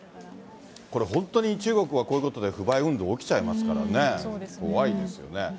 これ、本当に中国はこういうことで不買運動起きちゃいますからね、怖いですよね。